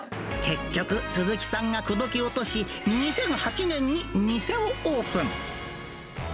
結局、鈴木さんが口説き落とし、２００８年に店をオープン。